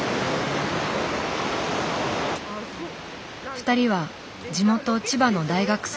２人は地元千葉の大学生。